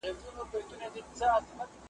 غدار دواړو ته او دوی غدار ته غله وه .